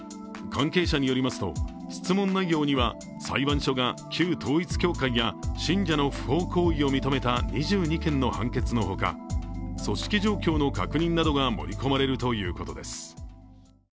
関係者によりますと質問内容には、裁判所が旧統一教会や信者の不法行為を認めた２２件の判決のほか組織状況の確認などが盛り込まれるということです。